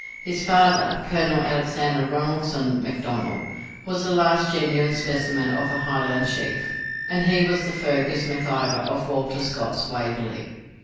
His father, Colonel Alexander Ronaldson Macdonnell, was the last genuine specimen of a Highland chief, and he was the Fergus McIvor of Walter Scott's "Waverley."